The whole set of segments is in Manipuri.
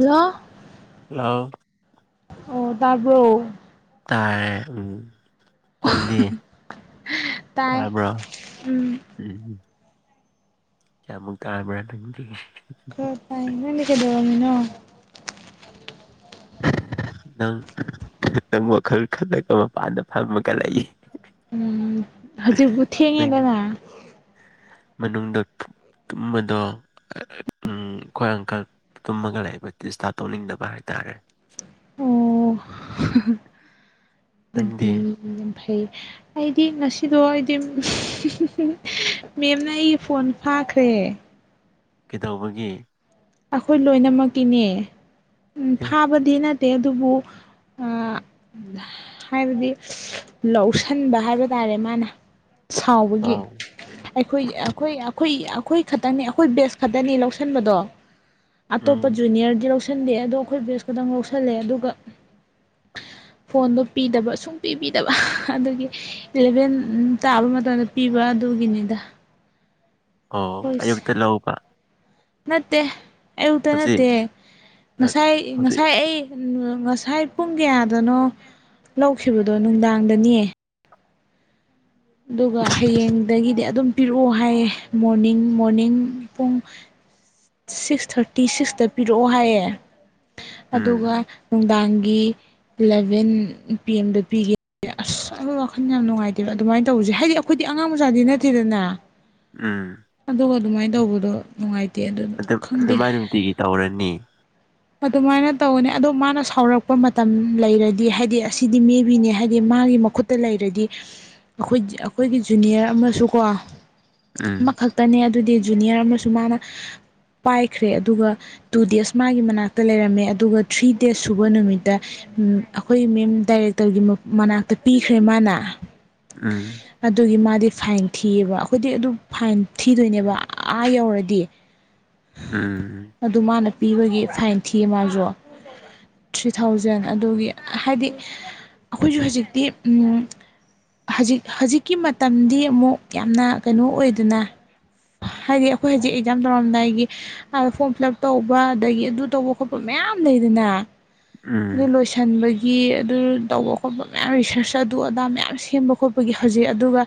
ꯍꯜꯂꯣ ꯍꯜꯂꯣ ꯑꯣ ꯇꯔꯕ꯭ꯔꯣ ꯇꯥꯌꯦ ꯅꯪꯗꯤ ꯇꯥꯏ ꯇꯕ꯭ꯔꯣ ꯎꯝ ꯎꯝ ꯀꯌꯥꯃꯨꯛ ꯇꯥꯕ꯭ꯔꯣ ꯅꯪꯗꯤ ꯈꯔ ꯇꯥꯌꯦ ꯅꯪꯗꯤ ꯀꯩꯗꯧꯔꯝꯃꯤꯅꯣ ꯅꯣ ꯅꯪ ꯅꯪ ꯋꯥꯈꯜ ꯈꯜꯂꯒ ꯃꯄꯥꯟꯗ ꯐꯝꯃꯒ ꯂꯩ ꯎꯝ ꯍꯧꯖꯤꯛꯕꯨ ꯅꯪꯗꯤ ꯊꯦꯡꯉꯦꯗꯅ ꯃꯅꯨꯡꯗ ꯇꯨꯝꯕꯗꯣ ꯑꯩꯈꯣꯏ ꯑꯪꯀꯜ ꯇꯨꯝꯃꯒ ꯂꯩꯕ ꯗꯤꯁꯇꯞ ꯇꯧꯅꯤꯡꯗꯕ ꯍꯥꯏꯇꯥꯔꯦ ꯑꯣ ꯅꯪꯗꯤ ꯑꯗꯨꯗꯤ ꯌꯥꯝ ꯐꯩ ꯑꯩꯗꯤ ꯉꯁꯤꯗꯣ ꯑꯩꯗꯤ ꯃꯦꯝꯅ ꯑꯩꯒꯤ ꯐꯣꯟ ꯐꯥꯈ꯭ꯔꯦ ꯀꯩꯗꯧꯕꯒꯤ ꯑꯩꯈꯣꯏ ꯂꯣꯏꯅꯃꯛꯀꯤꯅꯦ ꯎꯝ ꯑꯦ ꯐꯥꯕꯗꯤ ꯅꯠꯇꯦ ꯑꯗꯨꯕꯨ ꯎ ꯍꯥꯏꯕꯗꯤ ꯂꯧꯁꯤꯟꯕ ꯍꯥꯏꯕ ꯇꯥꯔꯦ ꯃꯥꯅ ꯁꯥꯎꯕꯒꯤ ꯑꯣ ꯑꯩꯈꯣꯏ ꯑꯩꯈꯣꯏ ꯑꯩꯈꯣꯏ ꯑꯩꯈꯣꯏ ꯈꯛꯇꯪꯅꯤ ꯑꯩꯈꯣꯏ ꯕꯦꯁ ꯈꯛꯇꯅꯤ ꯂꯧꯁꯟꯕꯗꯣ ꯑꯇꯣꯞꯄ ꯎꯝ ꯖꯨꯅꯤꯌꯔꯗꯤ ꯂꯧꯁꯤꯟꯗꯦ ꯑꯗꯣ ꯑꯩꯈꯣꯏ ꯕꯦꯁ ꯈꯛꯇꯪ ꯂꯧꯁꯜꯂꯦ ꯑꯗꯨꯒ [unintelligible] ꯐꯣꯟꯗꯣ ꯄꯤꯗꯕ ꯁꯨꯡ ꯄꯤꯕꯤꯗꯕ ꯑꯗꯨꯗꯒꯤ ꯏꯂꯚꯦꯟ ꯇꯥꯕ ꯃꯇꯝꯗ ꯄꯤꯕ ꯑꯗꯨꯒꯤꯅꯤꯗ ꯑꯣ ꯑꯩꯈꯣꯏꯁꯦ ꯑꯌꯨꯛꯇ ꯂꯧꯕ ꯅꯠꯇꯦ ꯑꯌꯨꯛꯇ ꯍꯧꯖꯤꯛ ꯅꯠꯇꯦ ꯑ- ꯉꯁꯥꯏ ꯍꯧꯖꯤꯛ ꯉꯁꯥꯏ ꯑꯩ ꯉꯁꯥꯏ ꯄꯨꯡ ꯀꯌꯥꯗꯅꯣ ꯂꯧꯈꯤꯕꯗꯣ ꯅꯨꯡꯗꯥꯡꯗꯅꯤꯌꯦ ꯑꯗꯨꯒ ꯍꯌꯦꯡꯗꯒꯤꯗꯤ ꯑꯗꯨꯝ ꯄꯤꯔꯛꯑꯣ ꯍꯥꯏꯌꯦ ꯃꯣꯔꯅꯤꯡ ꯃꯣꯔꯅꯤꯡ ꯄꯨꯡ ꯁꯤꯛꯁ ꯊꯥꯔꯇꯤ ꯁꯤꯛꯁꯇ ꯄꯤꯔꯛꯑꯣ ꯍꯥꯏꯌꯦ ꯎꯝ ꯑꯗꯨꯒ ꯅꯨꯡꯗꯥꯡꯒꯤ ꯏꯂꯚꯦꯟ ꯄꯤ ꯑꯦꯝꯗ ꯅꯨꯄꯤꯒꯤ ꯑꯁ ꯑꯩꯈꯣꯏ ꯋꯥꯈꯜ ꯌꯥꯝ ꯅꯨꯡꯉꯥꯏꯇꯦꯕ ꯑꯗꯨꯃꯥꯏꯅ ꯇꯧꯕꯁꯦ ꯍꯥꯏꯗꯤ ꯑꯩꯈꯣꯏꯗꯤ ꯑꯉꯥꯡ ꯃꯆꯥꯗꯤ ꯅꯠꯇꯦꯗꯅ ꯎꯝ ꯑꯗꯨꯒ ꯑꯗꯨꯃꯥꯏꯅ ꯇꯧꯕꯗꯣ ꯅꯨꯡꯉꯥꯏꯇꯦ ꯑꯗꯨꯅ ꯑꯗꯨꯝ ꯑꯗꯨꯃꯥꯏꯅ ꯅꯨꯡꯇꯤꯒꯤ ꯇꯧꯔꯅꯤ ꯑꯗꯨꯃꯥꯏꯅ ꯇꯧꯒꯅꯤ ꯑꯗꯣ ꯃꯥꯅ ꯁꯥꯎꯔꯛꯄ ꯃꯇꯝ ꯂꯩꯔꯗꯤ ꯍꯥꯏꯗꯤ ꯑꯁꯤꯗꯤ ꯃꯦꯕꯤꯅꯦ ꯍꯥꯏꯗꯤ ꯃꯥꯒꯤ ꯃꯈꯨꯠ ꯇ ꯂꯩꯔꯗꯤ ꯑꯩꯈꯣꯏ ꯑꯩꯈꯣꯏꯒꯤ ꯖꯨꯅꯤꯌꯔ ꯑꯃꯁꯨꯀꯣ ꯎꯝ ꯑꯃꯈꯛ ꯇꯅꯦ ꯑꯗꯨꯗꯤ ꯖꯨꯅꯤꯌꯔ ꯑꯃꯁꯨ ꯃꯥꯅ ꯄꯥꯏꯈ꯭ꯔꯦ ꯑꯗꯨꯒ ꯇꯨ ꯗꯦꯖ ꯃꯥꯒꯤ ꯃꯅꯥꯛ ꯃꯅꯛꯇ ꯂꯩꯔꯝꯃꯦ ꯑꯗꯨꯒ ꯊ꯭ꯔꯤ ꯗꯦꯖ ꯁꯨꯕ ꯅꯨꯃꯤꯠꯇ ꯑꯩꯈꯣꯏ ꯃꯦꯝ ꯗꯥꯏꯔꯦꯛꯇꯔꯒꯤ ꯃꯅꯥꯛꯇ ꯄꯤꯈ꯭ꯔꯦ ꯃꯥꯅ ꯎꯝ ꯑꯗꯨꯒꯤ ꯃꯥꯗꯤ ꯐꯥꯏꯟ ꯊꯤꯌꯦꯕ ꯑꯩꯈꯣꯏꯗꯤ ꯑꯗꯨ ꯐꯥꯏꯟ ꯊꯤꯗꯣꯏꯅꯦꯕ ꯑꯥ ꯌꯧꯔꯗꯤ ꯎꯝ ꯑꯗꯨ ꯃꯥꯅ ꯄꯤꯕꯒꯤ ꯐꯥꯏꯟ ꯊꯤꯌꯦ ꯃꯥꯁꯨ ꯊ꯭ꯔꯤ ꯊꯥꯎꯖꯟ ꯑꯗꯨꯒꯤ ꯍꯥꯏꯗꯤ ꯑꯩꯈꯣꯏꯖꯨ ꯍꯧꯖꯤꯛꯇꯤ ꯎꯝ ꯍꯧꯖꯤꯛ ꯍꯧꯖꯤꯛꯀꯤ ꯃꯇꯝꯗꯤ ꯑꯃꯨꯛ ꯌꯥꯝꯅ ꯀꯩꯅꯣ ꯑꯣꯏꯗꯅ ꯍꯥꯏꯗꯤ ꯑꯩꯈꯣꯏ ꯍꯧꯖꯤꯛ ꯑꯦꯛꯖꯥꯝ ꯇꯧꯔꯝꯗꯥꯏꯒꯤ ꯐꯣꯝ ꯐꯤꯜ ꯑꯞ ꯇꯧꯕ ꯑꯗꯒꯤ ꯑꯗꯨ ꯇꯧꯕ ꯈꯣꯠꯄ ꯃꯌꯥꯝ ꯂꯩꯗꯅ ꯎꯝ ꯑꯗꯨ ꯂꯣꯏ ꯊꯟꯕꯒꯤ ꯑꯗꯨ ꯇꯧꯕ ꯈꯣꯠꯄ ꯃꯌꯥꯝ ꯔꯤꯁꯔꯁ ꯑꯗꯨ ꯑꯗꯥ ꯃꯌꯥꯝ ꯁꯦꯝꯕ ꯈꯣꯠꯄꯒꯤ ꯍꯧꯖꯤꯛ ꯑꯗꯨꯒ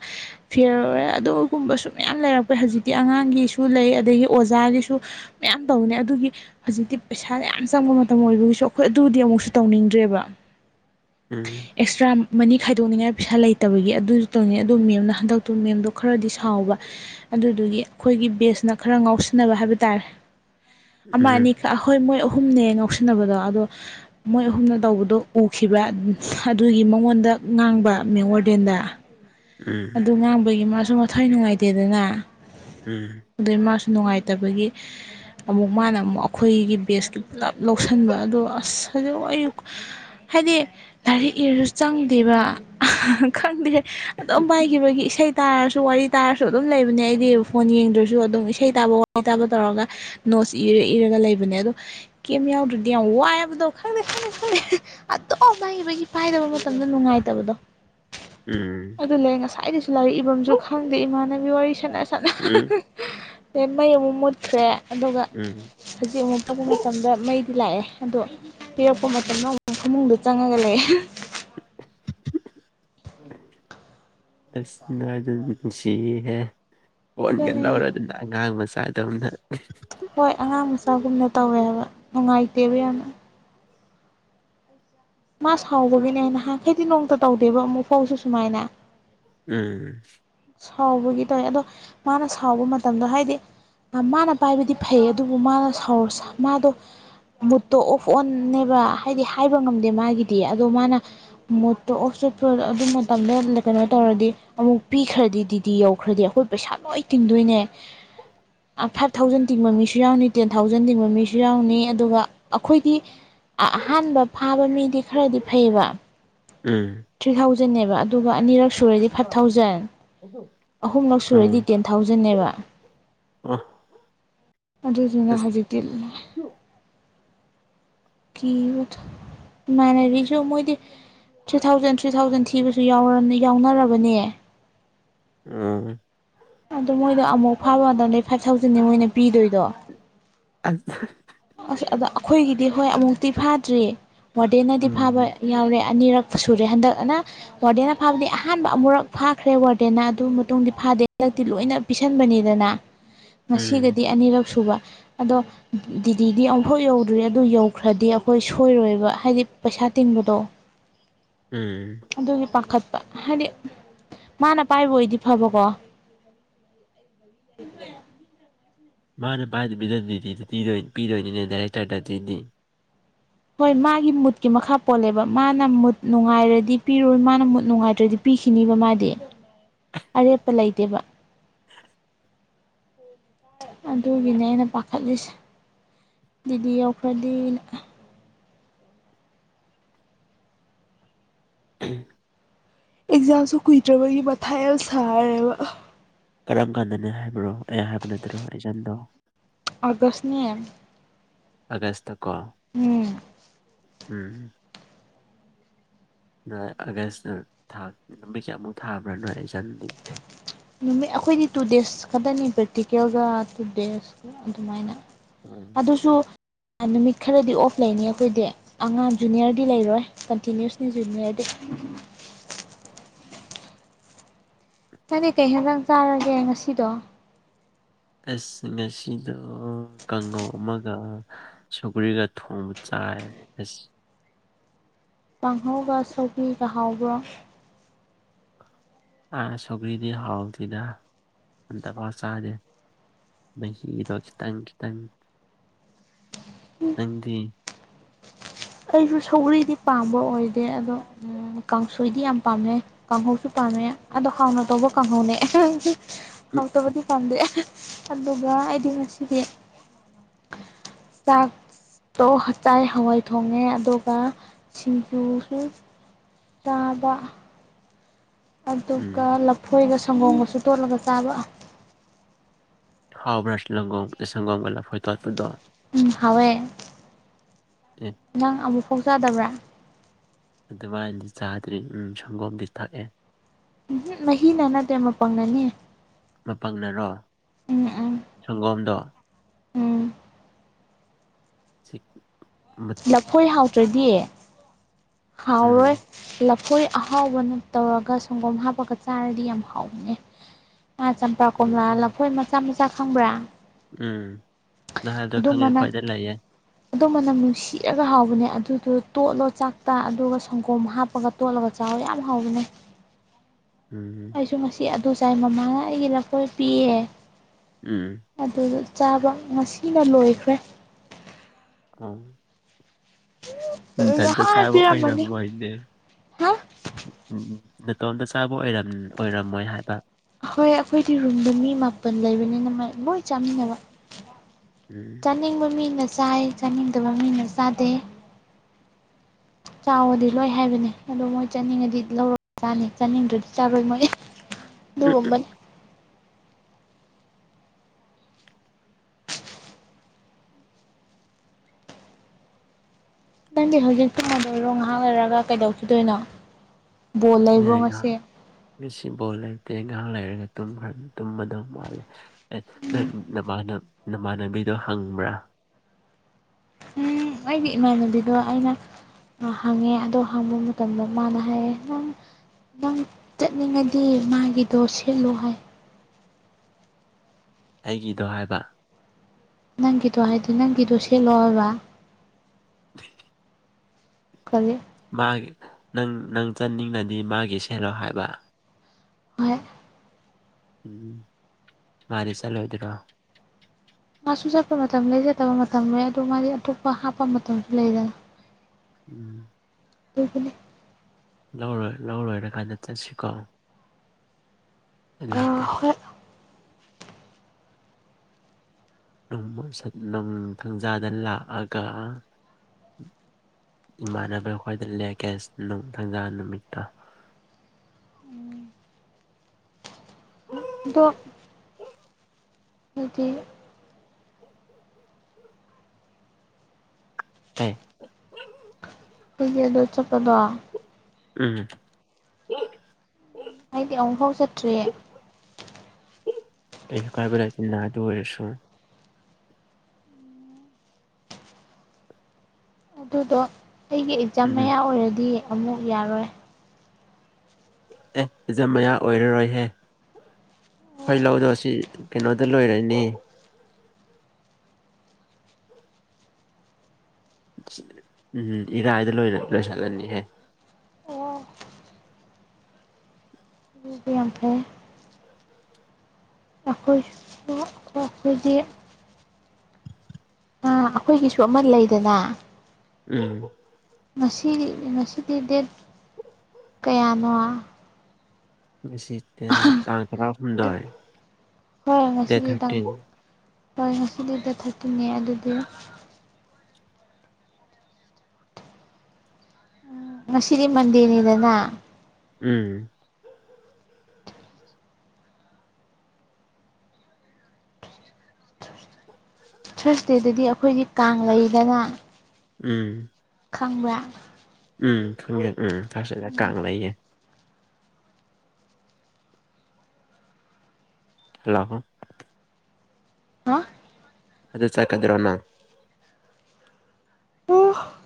ꯐꯤꯔ ꯑꯣꯏꯔꯦ ꯑꯗꯨꯒꯨꯝꯕꯁꯨ ꯃꯌꯥꯝ ꯂꯩꯔꯛꯄ ꯍꯧꯖꯤꯛꯇꯤ ꯑꯉꯥꯡꯒꯤꯁꯨ ꯂꯩ ꯑꯗꯒꯤ ꯑꯣꯖꯥꯒꯤꯁꯨ ꯃꯌꯥꯝ ꯇꯧꯅꯦ ꯑꯗꯨꯒꯤ ꯍꯧꯖꯤꯛꯇꯤ ꯄꯩꯁꯥ ꯌꯥꯝ ꯆꯪꯕ ꯃꯇꯝ ꯑꯣꯏꯕꯒꯤꯁꯨ ꯑꯩꯈꯣꯏ ꯑꯗꯨꯗꯤ ꯑꯃꯨꯛꯁꯨ ꯇꯧꯅꯤꯡꯗ꯭ꯔꯦꯕ ꯎꯝ ꯑꯦꯛꯁꯇ꯭ꯔꯥ ꯃꯅꯤ ꯈꯥꯏꯗꯣꯛꯅꯤꯡꯉꯥꯏ ꯄꯩꯁꯥ ꯂꯩꯇꯕꯒꯤ ꯑꯗꯨꯁꯨ ꯇꯧꯅꯤꯡ ꯑꯗꯨ ꯃꯦꯝꯅ ꯍꯟꯗꯛꯇꯨ ꯃꯦꯝꯗꯣ ꯈꯔꯗꯤ ꯁꯥꯎꯕ ꯑꯗꯨꯗꯨꯒꯤ ꯑꯩꯈꯣꯏꯒꯤ ꯕꯦꯁꯅ ꯈꯔ ꯉꯥꯎꯁꯤꯟꯅꯕ ꯍꯥꯏꯕ ꯇꯥꯔꯦ ꯑꯁ ꯑꯃ ꯑꯅꯤꯈꯛ ꯍꯣꯏ ꯃꯣꯏ ꯑꯍꯨꯝꯅꯦ ꯉꯧꯁꯤꯟꯅꯕꯗꯣ ꯑꯗꯣ ꯃꯣꯏ ꯑꯍꯨꯝꯅ ꯇꯧꯕꯗꯣ ꯎꯈꯤꯕ ꯑꯗꯨꯒꯤ ꯃꯉꯣꯟꯗ ꯉꯥꯡꯕ ꯃꯦꯝ ꯋꯥꯔꯗꯦꯟꯗ ꯎꯝ ꯑꯗꯨ ꯉꯥꯡꯕꯒꯤ ꯃꯥꯁꯨ ꯃꯊꯋꯥꯏ ꯅꯨꯡꯉꯥꯏꯇꯦꯗꯅ ꯎꯝ ꯑꯗꯨꯏ ꯃꯥꯁꯨ ꯅꯨꯡꯉꯥꯏꯇꯕꯒꯤ ꯑꯃꯨꯛ ꯃꯥꯅ ꯑꯃꯨꯛ ꯑꯩꯈꯣꯏꯒꯤ ꯕꯦꯁ ꯄꯨꯂꯞ ꯂꯧꯁꯤꯟꯕ ꯑꯗꯣ ꯑꯁ ꯍꯧꯖꯤꯛ ꯑꯩꯌꯨ ꯍꯥꯏꯗꯤ ꯂꯥꯏꯔꯤꯛ ꯏꯔꯁꯨ ꯆꯪꯗꯦꯕ ꯈꯪꯗꯦ ꯑꯗꯨꯝ ꯄꯥꯏꯈꯤꯕꯒꯤ ꯏꯁꯩ ꯇꯥꯔꯁꯨ ꯋꯥꯔꯤ ꯇꯥꯔꯁꯨ ꯑꯗꯨꯝ ꯂꯩꯕꯅꯦ ꯑꯩꯗꯤ ꯐꯣꯟ ꯌꯦꯡꯗ꯭ꯔꯁꯨ ꯑꯗꯨꯝ ꯏꯁꯩ ꯇꯥꯕ ꯋꯥꯔꯤ ꯇꯥꯕ ꯇꯧꯔꯒ ꯅꯣꯠꯁ ꯏꯔꯥ ꯏꯔꯥꯒ ꯂꯩꯕꯅꯦ ꯑꯗꯣ ꯀꯦꯝ ꯌꯥꯎꯔꯗꯤ ꯌꯥꯝ ꯋꯥꯏꯕꯗꯣ ꯈꯪꯗꯦ ꯈꯪꯗꯦ ꯈꯪꯗꯦ ꯑꯗꯣꯝ ꯄꯥꯏꯒꯤꯕꯒꯤ ꯄꯥꯏꯗꯕ ꯃꯥꯇꯝꯗ ꯅꯨꯡꯉꯥꯏꯇꯕꯗꯣ ꯎꯝ ꯑꯗꯨ ꯂꯩ ꯉꯁꯥꯏꯗꯁꯨ ꯂꯥꯏꯔꯤꯛ ꯏꯕꯝꯖꯨ ꯈꯪꯗꯦ ꯏꯃꯥꯅꯒꯤ ꯋꯥꯔꯤ ꯁꯥꯟꯅ ꯁꯥꯟꯅ ꯑꯗꯩ ꯃꯩ ꯑꯃꯨꯛ ꯃꯨꯠꯈ꯭ꯔꯦ ꯑꯗꯨꯒ ꯍꯧꯖꯤꯛ ꯑꯃꯨꯛ ꯇꯛꯄ ꯃꯇꯝꯗ ꯃꯩꯗꯤ ꯂꯥꯛꯑꯦ ꯑꯗꯣ ꯄꯤꯔꯛꯄ ꯃꯇꯝꯗ ꯑꯃꯨꯛ ꯐꯃꯨꯡꯗ ꯆꯪꯉꯒ ꯂꯩꯌꯦ ꯑꯁ [unintelligible] ꯅꯨꯡꯁꯤ ꯍꯥꯏ ꯈꯣꯟꯒ ꯑꯗꯨꯅꯦ ꯅꯧꯔꯗꯅ ꯑꯉꯥꯡ ꯃꯆꯥꯗꯧꯅ ꯍꯣꯏ ꯑꯉꯥꯡ ꯃꯆꯥꯒꯨꯝꯅ ꯇꯧꯋꯦꯕ ꯅꯨꯡꯉꯥꯏꯇꯦꯕ ꯌꯥꯝꯅ ꯃꯥ ꯁꯥꯎꯕꯒꯤꯅꯦ ꯅꯍꯈꯩꯗꯤ ꯅꯣꯡꯇ ꯇꯧꯗꯦꯕ ꯑꯃꯨꯛ ꯐꯥꯎꯁꯨ ꯁꯨꯃꯥꯏꯅ ꯎꯝ ꯁꯥꯎꯕꯒꯤ ꯇꯧꯋꯦ ꯑꯗꯣ ꯃꯥꯅ ꯁꯥꯎꯕ ꯃꯇꯝꯗꯣ ꯍꯥꯏꯗꯤ ꯃꯥꯅ ꯄꯥꯏꯕꯗꯤ ꯐꯩ ꯑꯗꯨꯕꯨ ꯃꯥꯅ ꯁꯥꯎ ꯃꯥꯗꯣ ꯃꯨꯠꯇꯣ ꯑꯣꯐ ꯑꯣꯟ ꯅꯦꯕ ꯍꯥꯏꯗꯤ ꯍꯥꯏꯕ ꯉꯝꯗꯦ ꯃꯥꯒꯤꯗꯤ ꯑꯗꯣ ꯃꯥꯅ ꯃꯨꯠꯇꯣ ꯑꯣꯐ ꯆꯄ ꯑꯗꯨ ꯃꯇꯝꯗ ꯀꯩꯅꯣ ꯇꯧꯔꯗꯤ ꯑꯃꯨꯛ ꯄꯤꯈ꯭ꯔꯗꯤ ꯗꯤ ꯇꯤ ꯌꯧꯈ꯭ꯔꯗꯤ ꯑꯩꯈꯣꯏ ꯄꯩꯁꯥ ꯂꯣꯏ ꯇꯤꯡꯗꯣꯏꯅꯦ ꯐꯥꯏꯚ ꯊꯥꯎꯖꯟ ꯇꯤꯡꯕ ꯃꯤꯁꯨ ꯌꯥꯎꯅꯤ ꯇꯦꯟ ꯊꯥꯎꯖꯟ ꯇꯤꯡꯕ ꯃꯤꯁꯨ ꯌꯥꯎꯅꯤ ꯑꯗꯨꯒ ꯑꯩꯈꯣꯏꯗꯤ ꯑꯍꯥꯟꯕ ꯐꯥꯕ ꯃꯤꯗꯤ ꯈꯔꯗꯤ ꯐꯩꯕ ꯎꯝ ꯊ꯭ꯔꯤ ꯊꯥꯎꯖꯟꯅꯦꯕ ꯑꯗꯨꯒ ꯑꯅꯤꯔꯛ ꯁꯨꯔꯗꯤ ꯐꯥꯏꯚ ꯊꯥꯎꯖꯟ ꯑꯗꯨ ꯑꯍꯨꯝꯂꯛ ꯁꯨꯔꯗꯤ ꯇꯦꯟ ꯊꯥꯎꯖꯟꯅꯦꯕ [unintelligible] ꯑꯗꯨꯗꯨꯅ ꯑꯁ ꯍꯧꯖꯤꯛꯇꯤ ꯀꯤꯕꯗꯣ ꯏꯃꯥꯟꯅꯕꯤꯖꯨ ꯃꯣꯏꯗꯤ ꯊ꯭ꯔꯤ ꯊꯥꯎꯖꯟ ꯊ꯭ꯔꯤ ꯊꯥꯎꯖꯟ ꯊꯤꯕꯁꯨ ꯌꯥ ꯌꯥꯎꯅꯔꯕꯅꯦ ꯎꯝ ꯑꯗꯣ ꯃꯣꯏꯗꯣ ꯑꯃꯨꯛ ꯐꯥꯕ ꯃꯇꯝꯗꯥꯗꯤ ꯐꯥꯏꯚ ꯊꯥꯎꯖꯟꯗꯤ ꯃꯣꯏꯅ ꯄꯤꯗꯣꯏꯗꯣ [unintelligible] ꯑꯁ ꯑꯗ ꯑꯩꯈꯣꯏꯒꯤꯗꯤ ꯍꯣꯏ ꯑꯃꯨꯛꯇꯤ ꯐꯥꯗ꯭ꯔꯤꯌꯦ ꯃꯣꯗꯦꯟꯅꯗꯤ ꯐꯥꯕ ꯎꯝ ꯌꯥꯎꯔꯦ ꯑꯅꯤꯔꯛꯇ ꯁꯨꯔꯦ ꯍꯟꯗꯛ ꯑꯅ ꯋꯥꯔꯗꯦꯟꯅ ꯐꯥꯕꯗꯤ ꯑꯍꯥꯟꯕ ꯑꯃꯨꯔꯛ ꯐꯥꯈ꯭ꯔꯦ ꯋꯥꯔꯗꯦꯟꯅ ꯑꯗꯨ ꯃꯇꯨꯡꯗꯤ ꯐꯥꯗꯦ ꯍꯟꯗꯛꯇꯤ ꯂꯣꯏꯅ ꯄꯤꯁꯟꯕꯅꯤꯗꯅ [inaudible] ꯉꯁꯤꯒꯗꯤ ꯑꯅꯤꯔꯛ ꯁꯨꯕ ꯑꯗꯣ ꯇꯤꯗꯤ ꯑꯃꯨꯐꯥꯎ ꯌꯧꯗ꯭ꯔꯤ ꯑꯗꯨ ꯌꯧꯈ꯭ꯔꯗꯤ ꯑꯩꯈꯣꯏ ꯁꯣꯏꯔꯣꯏꯕ ꯍꯥꯏꯗꯤ ꯄꯩꯁꯥ ꯇꯤꯟꯕꯗꯣ ꯎꯝ ꯑꯗꯨꯒꯤ ꯄꯥꯈꯠꯄ ꯍꯥꯏꯗꯤ ꯃꯥꯅ ꯄꯥꯏꯕ ꯑꯣꯏꯗꯤ ꯐꯕꯀꯣ ꯃꯥꯅ ꯄꯖꯗꯤꯤꯔ ꯄꯤꯔꯣꯏꯅꯤꯗꯥꯔꯦ ꯆꯥꯔꯗꯤꯅꯤ ꯍꯣꯏ ꯃꯥꯒꯤ ꯃꯨꯠꯀꯤ ꯃꯈꯥ ꯄꯣꯜꯂꯦꯕ ꯃꯥꯅ ꯃꯨꯠ ꯅꯨꯡꯉꯥꯏꯔꯗꯤ ꯄꯤꯔꯣꯏ ꯃꯥꯅ ꯃꯨꯠ ꯅꯨꯡꯉꯥꯏꯗ꯭ꯔꯗꯤ ꯄꯤꯈꯤꯅꯤꯕ ꯃꯥꯗꯤ ꯑꯔꯦꯞꯄ ꯂꯩꯇꯦꯕ [inaudible] ꯑꯗꯨꯒꯤꯅꯦ ꯑꯩꯅ ꯄꯥꯈꯠꯂꯤꯁꯦ ꯗꯤꯗꯤ ꯌꯧꯈ꯭ꯔꯗꯤ ꯎꯝ ꯑꯦꯛꯖꯥꯝꯁꯨ ꯀꯨꯏꯗ꯭ꯔꯕꯒꯤ ꯃꯊꯥꯏ ꯌꯥꯝ ꯁꯥꯔꯦꯕ ꯀꯔꯝ ꯀꯥꯟꯗꯅꯦ ꯍꯥꯏꯕ꯭ꯔꯣ ꯑꯩ ꯍꯥꯏꯕꯗꯨꯠꯇꯅꯣ ꯑꯦꯖꯦꯟꯗꯣ ꯑꯒꯁꯅꯤ ꯑꯒꯁꯇꯀꯣ ꯎꯝ ꯎꯝ ꯅꯣꯏ ꯑꯥꯒꯁꯇ ꯊꯥ ꯅꯨꯃꯤꯠꯁꯦ ꯑꯃꯨꯛ ꯊꯥꯕ꯭ꯔꯥ ꯅꯣꯏ ꯑꯩ ꯖꯟꯗꯤ ꯅꯨꯃꯤꯠ ꯑꯩꯈꯣꯏꯗꯤ ꯇꯨ ꯗꯦꯖ ꯈꯛꯇꯅꯤ ꯄ꯭ꯔꯦꯛꯇꯤꯀꯦꯜꯒ ꯇꯨ ꯗꯦꯖ ꯑꯗꯨꯃꯥꯏꯅ ꯎꯝ ꯑꯗꯨꯁꯨ ꯅꯨꯃꯤꯠ ꯈꯔꯗꯤ ꯑꯣꯐ ꯂꯩꯅꯤ ꯑꯩꯈꯣꯏꯗꯤ ꯑꯉꯥꯡ ꯖꯨꯅꯤꯌꯔꯗꯤ ꯂꯩꯔꯣꯏ ꯀꯟꯇꯤꯅꯤꯨꯁꯂꯤ ꯖꯨꯅꯤꯌꯔꯗꯤ ꯀꯔꯤ ꯀꯩ ꯍꯦꯟꯗꯪ ꯆꯥꯔꯒꯦ ꯉꯁꯤꯗꯣ ꯑꯁ ꯉꯁꯤꯗ ꯀꯥꯡꯉꯧ ꯑꯃꯒ ꯁꯨꯒ꯭ꯔꯤꯒ ꯊꯣꯡꯕ ꯆꯥꯏ ꯑꯁ ꯀꯥꯡꯥꯡꯍꯧꯧꯕ ꯁꯤꯒꯍꯥꯎꯕ ꯑ ꯁꯧꯒ꯭ꯔꯤꯗꯤ ꯍꯥꯎꯗꯗ ꯑꯟꯇ ꯄꯥꯎ ꯆꯥꯗꯦ ꯃꯍꯔꯣ ꯈꯤꯇꯪ ꯈꯤꯇꯪ ꯅꯪꯗꯤ ꯑꯩꯁꯨ ꯁꯧꯔꯤꯗꯤ ꯄꯥꯝꯕ ꯑꯣꯏꯗꯦ ꯑꯗꯣ ꯀꯥꯡꯁꯣꯏꯗꯤ ꯌꯥꯝ ꯄꯥꯝꯃꯦ ꯀꯥꯡꯍꯧꯁꯨ ꯄꯥꯝꯃꯦ ꯑꯗꯣ ꯍꯥꯎꯅ ꯇꯧꯕ ꯀꯥꯡꯍꯧꯅꯦ ꯍꯥꯎꯇꯕꯗꯤ ꯄꯪꯝꯗꯦ ꯑꯗꯨꯒ ꯑꯩꯗꯤ ꯉꯗꯤ ꯇꯥꯥꯏ ꯍꯋꯥꯏ ꯊꯣꯡꯉꯦ ꯑꯗꯨꯒ ꯁꯤꯡꯖꯨꯁꯨ ꯇꯥꯕ ꯎꯝ ꯑꯗꯨꯒ ꯂꯐꯣꯏꯒ ꯁꯪꯒꯣꯝꯒꯁꯨ ꯇꯣꯠꯂꯒ ꯆꯥꯕ ꯍꯥꯎꯕ꯭ꯔꯁ ꯂꯒꯣꯡ ꯁꯪꯣꯡꯒꯂ ꯐꯣꯏꯇꯣ ꯇꯗꯣ ꯎꯝ ꯍꯋꯦ ꯎꯝ ꯅꯪ ꯑꯃꯨꯛ ꯐꯥꯎ ꯆꯥꯗꯕ꯭ꯔꯥ ꯑꯗꯨꯃꯥꯏꯅꯗꯤ ꯆꯥꯗ꯭ꯔꯤ ꯎ ꯁꯪꯒꯣꯝꯗꯤ ꯊꯛꯑꯦ ꯎꯝ ꯃꯍꯤ ꯅ ꯅꯠꯇꯦ ꯃꯄꯪꯅꯅꯤ ꯃꯄꯪꯅꯔꯣ ꯎꯝ ꯎꯝ ꯁꯪꯒꯣꯝꯗꯣ ꯎꯝ ꯆꯦꯛꯦꯛ ꯂꯐꯣꯏ ꯍꯥꯎꯇ꯭ꯔꯗꯤ ꯍꯥꯎꯔꯣꯏ ꯎꯝ ꯂꯐꯣꯏ ꯑꯍꯥꯎꯕꯅ ꯇꯧꯔꯒ ꯁꯪꯒꯣꯝ ꯍꯥꯞꯄꯒ ꯆꯥꯔꯗꯤ ꯌꯥꯝ ꯍꯥꯎꯕꯅꯦ ꯑꯥ ꯆꯝꯄ꯭ꯔꯥ ꯀꯣꯝꯂꯥ ꯎꯝ ꯂꯐꯣꯏ ꯃꯆꯥ ꯃꯆꯥ ꯈꯪꯕ꯭ꯔꯥ ꯎꯝ ꯅꯥꯏꯗꯣ ꯈꯪꯉꯦ ꯈ꯭ꯋꯥꯏꯗ ꯂꯩꯌꯦ ꯑꯗꯣꯝ ꯃꯅꯝ ꯅꯨꯡꯁꯤꯔꯒ ꯍꯥꯎꯕꯅꯦ ꯑꯗꯨꯗꯣ ꯇꯣꯠꯂꯣ ꯆꯥꯛ ꯇ ꯑꯗꯨꯒ ꯁꯪꯒꯣꯝ ꯍꯥꯞꯄꯒ ꯇꯣꯠꯂꯒ ꯆꯥꯎꯔ ꯌꯥꯝ ꯍꯥꯎꯕꯅꯩ ꯎꯝ ꯑꯩꯁꯨ ꯉꯁꯤ ꯑꯗꯨ ꯆꯥꯏ ꯃꯃꯥꯅ ꯑꯩꯒꯤ ꯂꯐꯣꯏ ꯄꯤꯌꯦ ꯎꯝ ꯑꯗꯨꯗ ꯆꯥꯕ ꯉꯁꯤꯅ ꯂꯣꯏꯈ꯭ꯔꯦ ꯀ ꯇꯗꯣ ꯅꯍꯥꯟ ꯆꯥꯕ ꯑꯣꯏꯔꯔꯕ ꯄꯤꯔꯝꯃꯅꯤ ꯑꯣꯏꯗꯦ ꯍꯥ ꯎꯝ ꯅꯅꯥꯇꯣꯟꯗ ꯆꯥꯕ ꯑꯣꯏꯔꯝꯃꯣꯏ ꯍꯥꯏꯕ ꯑꯍꯣꯏ ꯑꯩꯈꯣꯏꯗꯤ ꯔꯨꯝꯗ ꯃꯤ ꯃꯥꯄꯟ ꯂꯩꯕꯅꯤꯅ ꯃꯥꯏ ꯂꯣꯏ ꯆꯥꯃꯤꯟꯅꯕ ꯎꯝ ꯆꯥꯅꯤꯡꯕ ꯃꯤꯅ ꯆꯥꯏ ꯆꯥꯅꯤꯡꯗꯕ ꯃꯤꯅ ꯆꯥꯗꯦ ꯆꯥꯎꯔꯗꯤ ꯂꯣꯏ ꯍꯥꯏꯕꯅꯤ ꯑꯗꯣ ꯃꯣꯏ ꯆꯠꯅꯤꯡꯉꯗꯤ ꯂꯧꯔꯦ ꯆꯥꯅꯤ ꯆꯥꯅꯤꯡꯗ꯭ꯔꯗꯤ ꯆꯥꯔꯣꯏ ꯃꯣꯏꯅꯤ ꯑꯗꯨꯒꯒꯨꯝꯕꯅꯤ ꯅꯪꯗꯤ ꯍꯧꯖꯤꯛ ꯆꯨꯝꯃꯗꯣꯏꯔꯣ ꯉꯥꯏꯍꯥꯛ ꯂꯩꯔꯒ ꯀꯩꯗꯧꯁꯤꯗꯣꯏꯅꯣ ꯑ ꯉꯍꯥꯛ ꯉꯁꯤꯐꯥꯎ ꯂꯩꯇꯦ ꯉꯥꯏꯍꯥꯛ ꯂꯩꯔꯒ ꯇꯨꯝꯈ꯭ꯔ ꯇꯨꯝꯕꯗꯧ ꯋꯥꯠꯂꯦ ꯑꯦꯁ ꯅꯪ ꯅꯥꯟ ꯅꯃꯥꯟꯅꯕꯤꯗꯣ ꯍꯪꯕ꯭ꯔꯥ ꯎ ꯍꯥꯏ ꯃꯥꯟꯅꯦꯗꯤ ꯑꯗꯣ ꯑꯩꯅ ꯍꯪꯉꯦ ꯑꯗꯣ ꯍꯪꯕ ꯃꯇꯝꯗ ꯃꯥꯅ ꯍꯥꯏꯌꯦ ꯅꯪ ꯅꯪ ꯆꯠꯅꯤꯡꯉꯗꯤ ꯃꯥꯒꯤꯗꯣ ꯁꯦꯠꯂꯣ ꯍꯥꯏ ꯑꯩꯒꯤꯗꯣ ꯍꯥꯏꯕ ꯅꯪꯒꯤꯗꯣ ꯍꯥꯏꯗꯤ ꯅꯪꯒꯤꯗꯣ ꯁꯦꯠꯂꯣꯑꯣꯕ ꯊꯕꯤ ꯀꯦ ꯃꯥꯒꯤ ꯅꯪ ꯅꯪ ꯆꯠꯅꯤꯡꯅꯗꯤ ꯃꯥꯒꯤ ꯁꯦꯜꯂꯣ ꯍꯥꯏꯕ ꯍꯣꯏ ꯎꯝ ꯃꯥꯅꯦ ꯆꯠꯂꯣꯏꯗꯔꯣ ꯃꯥꯁꯨ ꯆꯠꯄ ꯃꯇꯝ ꯂꯩ ꯆꯠꯇꯕ ꯃꯇꯝ ꯂꯩ ꯑꯗꯨ ꯃꯥꯗꯤ ꯑꯇꯣꯞꯄ ꯍꯥꯞꯄ ꯃꯇꯝꯁꯨ ꯂꯩꯗꯅ ꯎꯝ ꯎꯄꯅꯦ ꯂꯧꯔꯣꯏ ꯂꯧꯔꯣꯏꯔ ꯀꯥꯟꯗ ꯆꯠꯁꯤꯀꯣ ꯑꯥ ꯏꯂꯀꯦ ꯍꯣꯏ ꯅꯨꯡꯊꯪꯖꯥꯗ ꯂꯥꯛꯑꯒ ꯏꯃꯥꯟꯅꯕ ꯑꯩꯈꯣꯏꯗ ꯂꯦꯛꯀꯦ ꯅꯨꯡꯊꯪꯖꯥ ꯅꯨꯃꯤꯠꯇ ꯗꯣ ꯍꯥꯏꯗꯤ ꯇꯥꯏ ꯑꯗꯨ ꯆꯠꯄꯗꯣ ꯎꯝ ꯍꯥꯏꯗꯤ ꯑꯃꯨꯐꯥꯎ ꯆꯠꯇ꯭ꯔꯤꯌꯦ ꯑꯩꯁꯨ ꯀꯥꯏꯕ ꯂꯩꯁꯤ ꯅꯥꯗ ꯑꯣꯏꯔꯁꯨ ꯑꯗꯨꯗꯣ ꯑꯩꯒꯤ ꯑꯦꯛꯖꯥꯝ ꯎꯝ ꯃꯌꯥ ꯑꯣꯏꯔꯗꯤ ꯑꯃꯨꯛ ꯌꯥꯔꯣꯏ ꯑꯦ ꯑꯦꯖꯝ ꯃꯌꯥ ꯑꯣꯏꯔꯔꯣꯏꯍꯦ ꯑꯩꯈꯣꯏ ꯑꯣ ꯂꯧꯗꯣ ꯁꯤ ꯀꯩꯅꯣꯗꯣ ꯂꯣꯏꯔꯛꯏꯅꯦ ꯎꯝꯝ ꯏꯔꯥꯏꯗ ꯂ ꯂꯣꯏꯁꯤꯜꯂꯅꯤꯍꯦ ꯑꯣ ꯑꯗꯨ ꯌꯥꯝ ꯐꯩꯌꯦ ꯑꯩꯈꯣꯏꯁꯨ ꯑꯩꯈꯣꯏ ꯑꯩꯈꯣꯏꯗꯤ ꯑꯩꯈꯣꯏꯒꯤꯁꯨ ꯑꯃ ꯂꯩꯗꯅ ꯎꯝ ꯉꯁꯤ ꯉꯁꯤꯗꯤ ꯗꯦꯠ ꯀꯌꯥꯅꯣ ꯉꯁꯤ ꯇꯥꯡ ꯇꯔꯥꯍꯨꯝꯗꯣꯏ ꯗꯦꯠ ꯊꯥꯔꯇꯤꯟ ꯍꫭꯏ ꯉꯁꯤꯗꯤ ꯗ‌ꯦꯠ ꯊꯥꯔꯇꯤꯟꯅ‌ꯦ ꯑꯗꯨꯗꯤ ꯉꯁꯤꯗꯤ ꯃꯟꯗ‌ꯦꯅꯤꯗꯅ ꯎꯝ ꯊꯔꯁꯗꯦꯗꯗꯤ ꯑꯩꯈꯣꯏꯗꯤ ꯀꯥꯡ ꯂꯩꯗꯅ ꯎꯝ ꯈꯪꯕ꯭ꯔꯥ ꯎꯝ ꯈꯪꯉꯦ ꯎꯝ ꯊꯔ꯭ꯁꯗꯗꯥ ꯀꯥꯡ ꯂꯩꯌꯦ ꯍꯜꯂꯣ ꯍꯥ ꯑꯗꯨ ꯆꯠꯀꯗ꯭ꯔꯣ ꯅꯪ [unintelligible]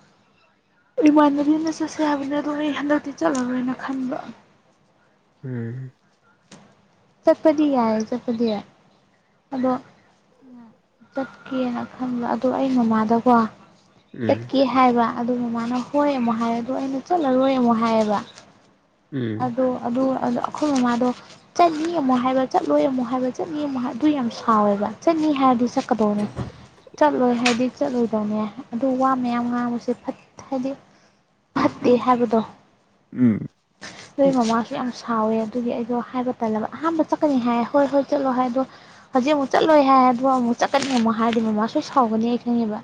ꯏꯃꯥꯏꯅꯕꯤꯅ ꯆꯠꯁꯦ ꯍꯥꯏꯕꯅꯤꯅ ꯑꯗꯨ ꯑꯩ ꯍꯟꯗꯛꯇꯤ ꯆꯠꯂꯔꯣꯏꯅ ꯈꯟꯕ ꯎꯝ ꯆꯠꯄꯗꯤ ꯌꯥꯏ ꯆꯠꯄꯗꯤ ꯌꯥꯏ ꯑꯗꯣ ꯆꯠꯀꯦꯅ ꯈꯟꯕ ꯑꯗꯣ ꯑꯩ ꯃꯃꯥꯗꯀꯣ ꯎꯝ ꯆꯠꯀꯦ ꯍꯥꯏꯕ ꯑꯗꯨ ꯃꯃꯥꯅ ꯍꯣꯏ ꯑꯃꯨꯛ ꯍꯥꯏ ꯑꯗꯨ ꯑꯩꯅ ꯆꯠꯂꯔꯣꯏ ꯑꯃꯨꯛ ꯍꯥꯏꯌꯦꯕ ꯎꯝ ꯑꯗꯣ ꯑꯗꯨ ꯑꯩꯈꯣꯏ ꯃꯃꯥꯗꯣ ꯆꯠꯅꯤ ꯑꯃꯨꯛ ꯍꯥꯏꯕ ꯆꯠꯂꯣꯏ ꯑꯃꯨꯛ ꯍꯥꯏꯕ ꯆꯠꯅꯤ ꯑꯃꯨꯛ ꯍꯥꯏ ꯑꯗꯨ ꯌꯥꯝ ꯁꯥꯎꯋꯦꯕ ꯆꯠꯅꯤ ꯍꯥꯏꯔꯗꯤ ꯆꯠꯀꯗꯧꯅꯦ ꯆꯠꯂꯣꯏ ꯍꯥꯏꯗꯤ ꯆꯠꯂꯣꯏꯗꯧꯅꯦ ꯑꯗꯨ ꯋꯥ ꯃꯌꯥꯝ ꯉꯥꯡꯕꯁꯦ ꯐꯠ ꯍꯥꯏꯗꯤ ꯐꯠꯇꯦ ꯍꯥꯏꯕꯗꯣ ꯎꯝ ꯅꯣꯏ ꯃꯃꯥꯁꯨ ꯌꯥꯝ ꯁꯥꯎꯋꯦ ꯑꯗꯨꯒꯤ ꯑꯩꯗꯣ ꯍꯥꯏꯕ ꯇꯜꯂꯕ ꯑꯍꯥꯟꯕ ꯆꯠꯀꯅꯤ ꯍꯥꯏ ꯍꯣꯏ ꯍꯣꯏ ꯆꯠꯂꯣ ꯍꯥꯏ ꯑꯗꫭ ꯍꯧꯖꯤꯛ ꯑꯃꯨꯛ ꯆꯠꯂꯣꯏ ꯍꯥꯏ ꯑꯗꯨꯒ ꯑꯃꯨꯛ ꯆꯠꯀꯅꯤ ꯑꯃꯨꯛ ꯍꯥꯏꯔꯗꯤ ꯃꯃꯥ ꯁꯣꯏ ꯁꯥꯎꯒꯅꯤ ꯑꯩ ꯈꯪꯉꯦꯕ